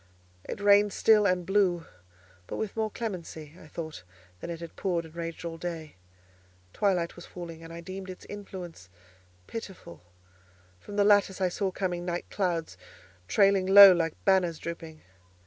It rained still, and blew; but with more clemency, I thought, than it had poured and raged all day. Twilight was falling, and I deemed its influence pitiful; from the lattice I saw coming night clouds trailing low like banners drooping.